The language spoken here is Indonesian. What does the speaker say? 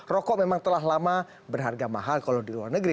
rokok memang telah lama berharga mahal kalau di luar negeri